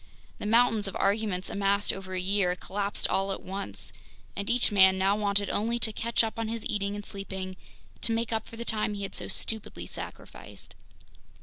The mountains of arguments amassed over a year collapsed all at once, and each man now wanted only to catch up on his eating and sleeping, to make up for the time he had so stupidly sacrificed.